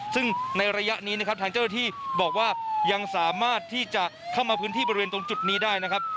ซึ่งในระยะนี้นะครับทางเจ้าหน้าที่บอกว่ายังสามารถที่จะเข้ามาพื้นที่บริเวณตรงจุดนี้ได้นะครับ